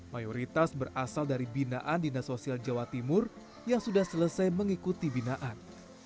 mayoritas berasal dari binaan dinas sosial jawa timur yang sudah selesai mengikuti binaan